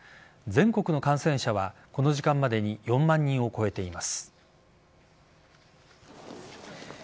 全国の感染者は、この時間までに４万人を超えています。